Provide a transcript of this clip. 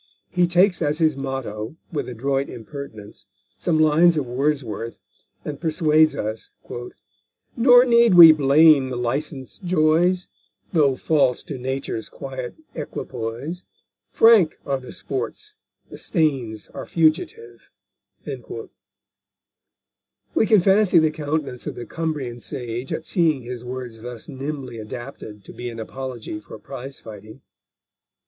He takes as his motto, with adroit impertinence, some lines of Wordsworth, and persuades us _nor need we blame the licensed joys, Though false to Nature's quiet equipoise: Frank are the sports, the stains are fugitive_. We can fancy the countenance of the Cumbrian sage at seeing his words thus nimbly adapted to be an apology for prize fighting.